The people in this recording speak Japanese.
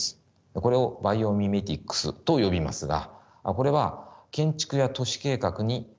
これをバイオミメティクスと呼びますがこれは建築や都市計画にかじが切られつつあります。